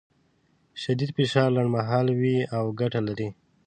شدید فشار لنډمهاله وي او ګټه لري.